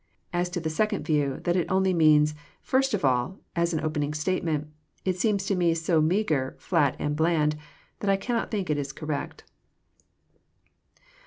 As to the second view, that it only means, *< First of all, as an opening statement," It seems to me so meagre, flat and bald, that I cannot think it is correct.